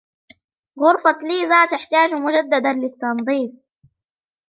غرفة ليزا تحتاج مجددا للتنظيف.